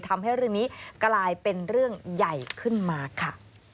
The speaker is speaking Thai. ทำให้เรื่องนี้กลายเป็นเรื่องใหญ่ขึ้นมาค่ะ